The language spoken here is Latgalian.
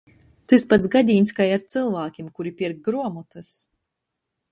Tys pats gadīņs kai ar cylvākim, kuri pierk gruomotys.